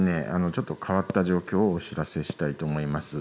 ちょっと変わった状況をお伝えしたいと思います。